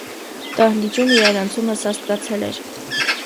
Դահլիճում իրարանցումը սաստկացել էր: